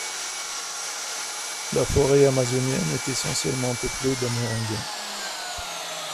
La forêt amazonienne est essentiellement peuplée d'Amérindiens.